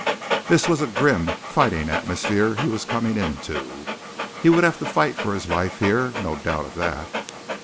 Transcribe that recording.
This was a grim, fighting atmosphere he was coming into. He would have to fight for his life here no doubt of that.